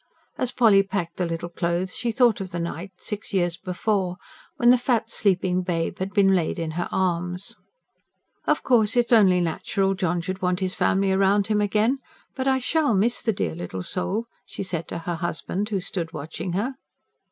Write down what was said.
As Polly packed the little clothes, she thought of the night, six years before, when the fat, sleeping babe had been laid in her arms. "Of course it's only natural John should want his family round him again. But I SHALL miss the dear little soul," she said to her husband who stood watching her.